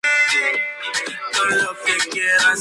Este espacio central está cubierto con una cúpula.